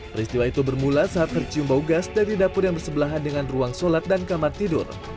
peristiwa itu bermula saat tercium bau gas dari dapur yang bersebelahan dengan ruang sholat dan kamar tidur